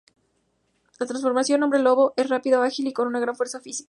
La transformación: "Hombre Lobo", es rápido, ágil y con una gran fuerza física.